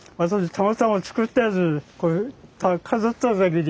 たまたま作ったやつ飾っただけで。